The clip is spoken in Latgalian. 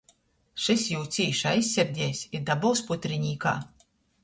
Šys jū cīši aizsirdejs i dabovs putrinīkā.